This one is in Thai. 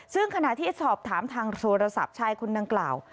ซึ่งขณะที่สอบถามทางโทรศัพท์ชายคนดังกล่าว